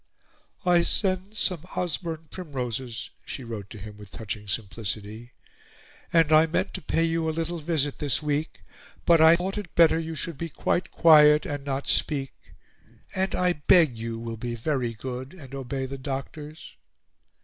"I send some Osborne primroses," she wrote to him with touching simplicity, "and I meant to pay you a little visit this week, but I thought it better you should be quite quiet and not speak. And I beg you will be very good and obey the doctors."